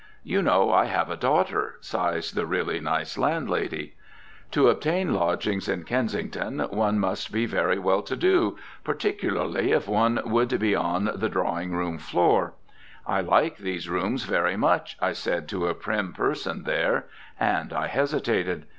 "You know, I have a daughter," sighs the really nice landlady. To obtain lodgings in Kensington one must be very well to do, particularly if one would be on the "drawing room floor." "I like these rooms very much," I said to a prim person there, and I hesitated.